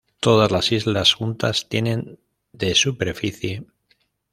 Todas las islas juntas tienen de superficie.